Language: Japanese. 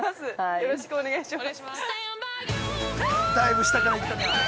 よろしくお願いします。